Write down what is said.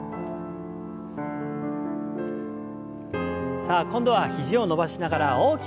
さあ今度は肘を伸ばしながら大きく回します。